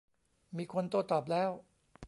มีคนโต้ตอบแล้ว